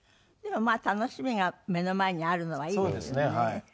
でもまあ楽しみが目の前にあるのはいいですよね。